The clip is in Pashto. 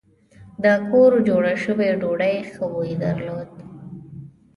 د کور جوړه شوې ډوډۍ ښه بوی درلود.